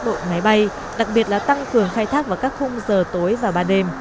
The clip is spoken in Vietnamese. đội máy bay đặc biệt là tăng cường khai thác vào các khung giờ tối và ba đêm